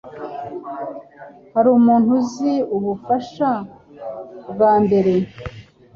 Hari umuntu uzi ubufasha bwambere?